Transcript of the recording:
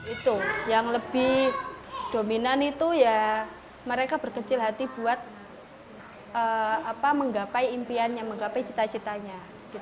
itu yang lebih dominan itu ya mereka berkecil hati buat menggapai impiannya menggapai cita citanya